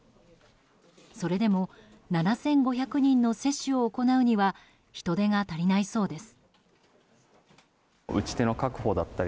それでも７５００人の接種を行うには人手が足りないそうです。